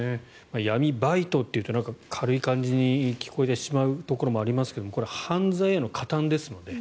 闇バイトというと軽い感じに聞こえてしまうところもありますが犯罪への加担ですからね。